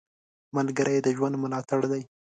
ملګری د ژوند ملاتړ دی